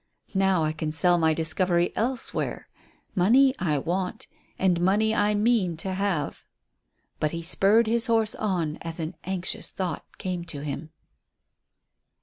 Now I can sell my discovery elsewhere. Money I want, and money I mean to have." But he spurred his horse on as an anxious thought came to him.